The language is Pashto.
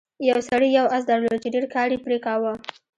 یو سړي یو اس درلود چې ډیر کار یې پرې کاوه.